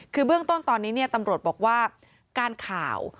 คือเบื้องต้นตอนนี้ตำรวจบอกว่าการข่าว